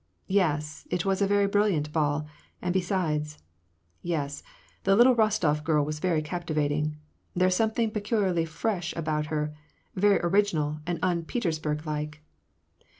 " Yes, it was a very brilliant ball ; and besides — yes, the little Kostof girl was very captivating. There's something peculiarly fresh about her, very original and un Petersburg like